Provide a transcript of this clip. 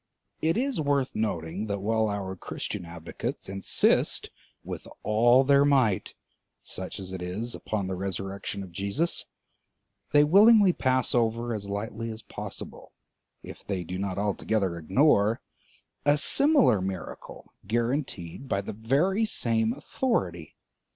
It is worth noting that while our Christian advocates insist with all their might, such as it is, upon the resurrection of Jesus, they willingly pass over as lightly as possible, if they do not altogether ignore, a similar miracle guaranteed by the very same authority.